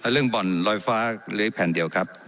เรื่องบ่อนลอยฟ้าเหลืออีกแผ่นเดียวครับ